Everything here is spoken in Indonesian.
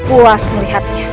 aku akan puas melihatnya